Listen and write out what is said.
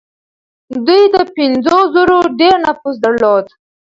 دوی تر پنځو زرو ډېر نفوس درلود.